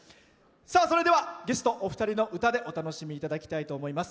それではゲストお二人の歌でお楽しみいただきたいと思います。